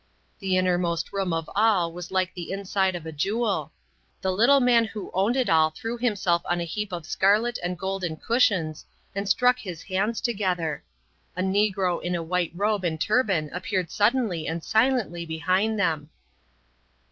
The innermost room of all was like the inside of a jewel. The little man who owned it all threw himself on a heap of scarlet and golden cushions and struck his hands together. A negro in a white robe and turban appeared suddenly and silently behind them.